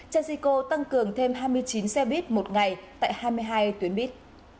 transico tăng cường thêm hai mươi chín xe buýt một ngày tại hai mươi hai tuyến buýt